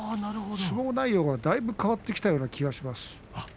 相撲内容がだいぶ変わってきたような気がします。